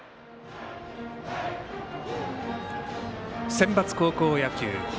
センバツ高校野球。